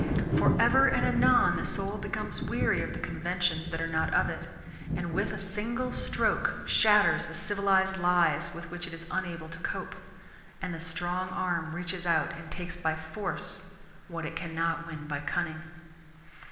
For ever and anon the soul becomes weary of the conventions that are not of it, and with a single stroke shatters the civilized lies with which it is unable to cope, and the strong arm reaches out and takes by force what it cannot win by cunning.